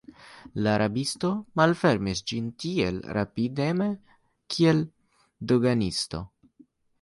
La rabisto malfermis ĝin tiel rapideme, kiel doganisto.